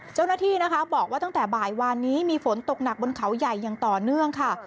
เจ้าหน้าที่นะคะบอกว่าตั้งแต่บ่ายวานนี้มีฝนตกหนักบนเขาใหญ่อย่างต่อเนื่องค่ะ